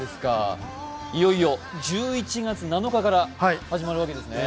いよいよ１１月７日から始まるわけですね。